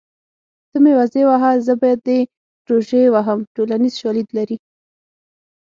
ته مې وزې وهه زه به دې روژې وهم ټولنیز شالید لري